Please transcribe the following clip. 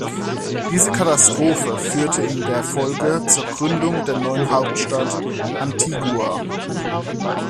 Diese Katastrophe führte in der Folge zur Gründung der neuen Hauptstadt ‚Antigua‘.